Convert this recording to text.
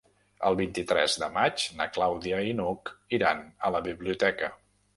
El vint-i-tres de maig na Clàudia i n'Hug iran a la biblioteca.